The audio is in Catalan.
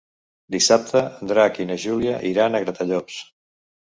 Dissabte en Drac i na Júlia iran a Gratallops.